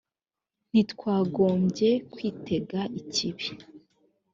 ntitwagombye kwitega ikibi